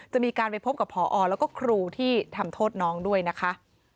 จะมีการไปพบกับพอแล้วก็ครูที่ทำโทษน้องด้วยนะคะ